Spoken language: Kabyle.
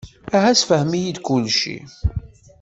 Aha ssefhem-iyi-d kullci.